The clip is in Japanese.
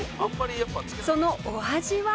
そのお味は